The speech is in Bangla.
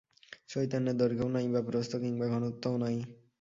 চৈতন্যের দৈর্ঘ্যও নাই বা প্রস্থ কিংবা ঘনত্বও নাই।